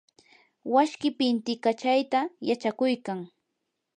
washkii pintikachayta yachakuykan.